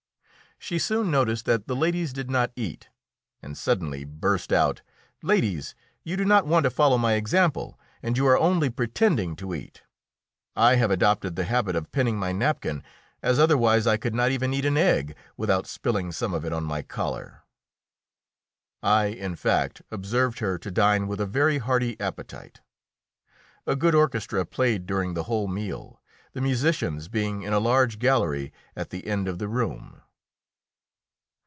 She soon noticed that the ladies did not eat, and suddenly burst out: "Ladies, you do not want to follow my example, and you are only pretending to eat! I have adopted the habit of pinning my napkin, as otherwise I could not even eat an egg without spilling some of it on my collar." I, in fact, observed her to dine with a very hearty appetite. A good orchestra played during the whole meal, the musicians being in a large gallery at the end of the room.